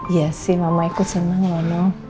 iya sih mamaiku senang loh noh